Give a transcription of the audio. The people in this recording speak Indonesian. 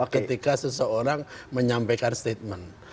ketika seseorang menyampaikan statement